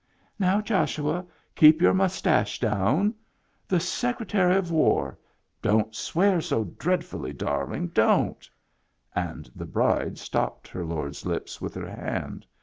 " Now, Joshua, keep your mustache down ! The Secretary of War — don't swear so dread fully, darling ! Don't !" And the bride stopped her lord's lips with her hand.